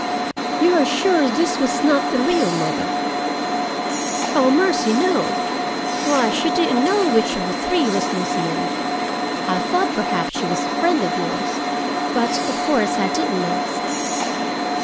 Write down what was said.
"You are sure this was not the real mother?" "O mercy, no! Why, she didn't know which of the three was Lucien. I thought perhaps she was a friend of yours, but, of course, I didn't ask."